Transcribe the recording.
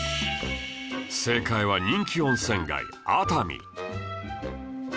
正解は人気温泉街熱海